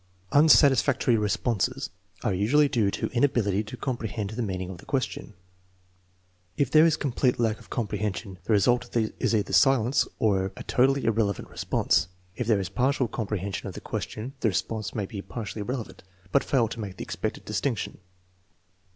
Unsatisfactory responses are usually due to inability to compre hend the meaning of the question. If there is complete lack of comprehension the result is either silence or a totally irrelevant response. If there is partial comprehension of the question the response may be partially relevant, but fail to make the expected distinction.